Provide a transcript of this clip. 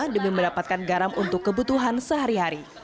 demi mendapatkan garam untuk kebutuhan sehari hari